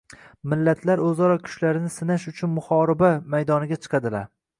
millatlar o‘zaro kuchlarini sinash uchun muhoriba maydoniga chiqadilar.